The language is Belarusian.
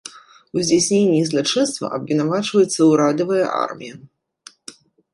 У здзяйсненні злачынства абвінавачваецца урадавая армія.